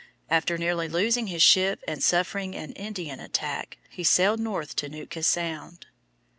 After nearly losing his ship and suffering an Indian attack, he sailed north to Nootka Sound.